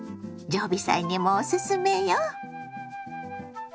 常備菜にもおすすめよ。